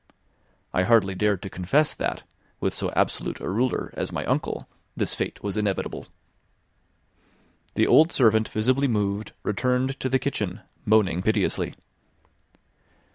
I hardly dared to confess that, with so absolute a ruler as my uncle, this fate was inevitable. The old servant, visibly moved, returned to the kitchen, moaning piteously.